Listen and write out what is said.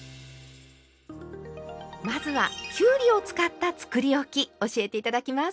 まずはきゅうりを使ったつくりおき教えて頂きます。